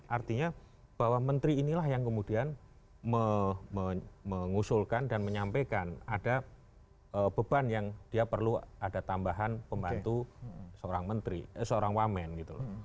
artinya bahwa menteri inilah yang kemudian mengusulkan dan menyampaikan ada beban yang dia perlu ada tambahan pembantu seorang menteri eh seorang wamen gitu loh